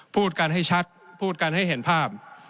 พูดกันให้ชัดพูดกันให้เห็นภาพ